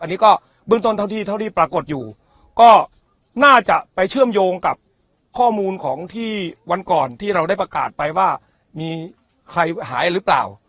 อันนี้ก็เบื้องต้นเท่าที่ปรากฏอยู่ก็น่าจะไปเชื่อมโยงกับข้อมูลของที่วันก่อนที่เราได้ประกาศไปว่ามีใครหายหรือเปล่า